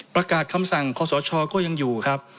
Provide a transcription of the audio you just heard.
ประกาศคำสั่งขอสชก็ยังอยู่ครับ